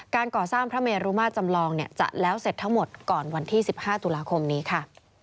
ก่อสร้างพระเมรุมาตรจำลองจะแล้วเสร็จทั้งหมดก่อนวันที่๑๕ตุลาคมนี้ค่ะ